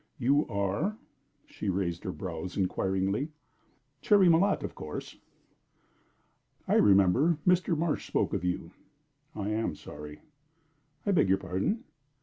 You are ?" She raised her brows, inquiringly. "Cherry Malotte, of course." "I remember. Mr. Marsh spoke of you." "I am sorry." "I beg your pardon?"